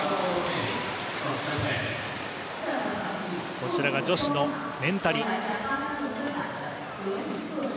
こちらが女子のメンタリ。